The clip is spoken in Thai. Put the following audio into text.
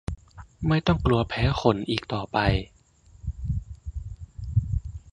ไม่ต้องกลัวแพ้ขนอีกต่อไป